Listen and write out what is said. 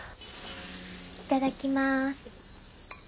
いただきます。